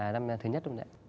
năm thứ nhất đúng không ạ